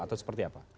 atau seperti apa